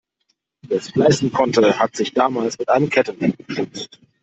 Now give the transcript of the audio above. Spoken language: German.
Wer es sich leisten konnte, hat sich damals mit einem Kettenhemd geschützt.